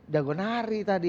jago nari tadi